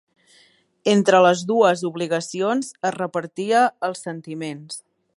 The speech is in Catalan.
Entre les dugues obligacions, es repartia els sentiments